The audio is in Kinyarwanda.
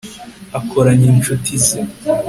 akoranya incuti ze